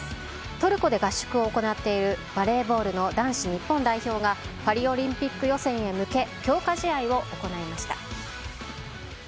トルコで合宿を行っているバレーボールの男子日本代表が、パリオリンピック予選へ向け強化試合を行いました。